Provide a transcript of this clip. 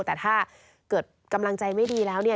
แต่ถ้าเกิดกำลังใจไม่ดีแล้วเนี่ย